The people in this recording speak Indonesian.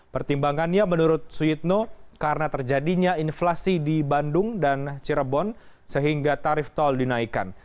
pertimbangannya menurut suyitno karena terjadinya inflasi di bandung dan cirebon sehingga tarif tol dinaikkan